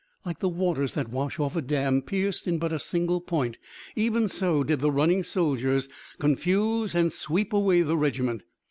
Like the waters that wash off a dam pierced in but a single point, even so did the running soldiers confuse and sweep away the regiment.